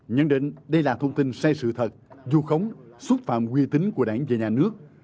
nhận định đây là thông tin sai sự thật du khống xúc phạm quy tính của đảng và nhà nước